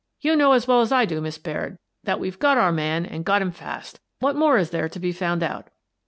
"You know as well as I do, Miss Baird, that we've got our man and got him fast What more is there to be found out?"